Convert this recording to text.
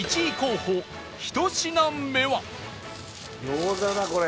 餃子だこれ！